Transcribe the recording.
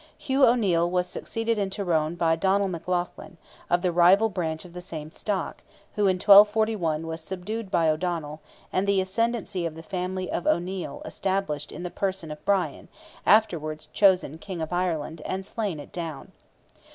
Hugh O'Neil was succeeded in Tyrone by Donnell McLaughlin, of the rival branch of the same stock, who in 1241 was subdued by O'Donnell, and the ascendancy of the family of O'Neil established in the person of Brian, afterwards chosen King of Ireland, and slain at Down.